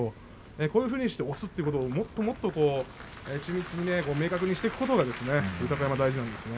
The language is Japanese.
こういうふうに押すということをもっともっと緻密に明確にしていくことが豊山、大事なんですね。